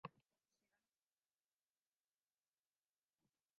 Se da la misma información del arranque que con el Administrador de tareas.